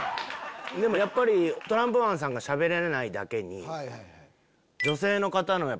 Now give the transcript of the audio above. やっぱりトランプマンさんがしゃべれないだけに。